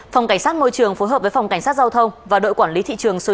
phòng cảnh sát môi trường phối hợp với phòng cảnh sát giao thông và đội quản lý thị trường số một